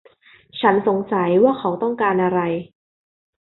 ฉันสงสัยว่าเขาต้องการอะไร